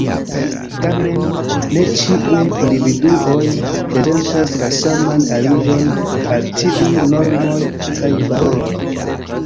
Tamen, ne ĉiuj individuoj prezentas la saman aliĝon al tiuj normoj kaj valoroj.